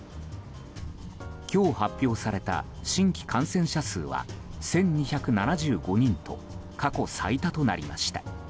今日、発表された新規感染者数は１２７５人と過去最多となりました。